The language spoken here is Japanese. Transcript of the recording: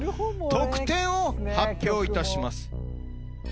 得点を発表いたします